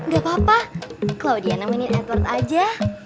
gak apa apa claudia namainin edward aja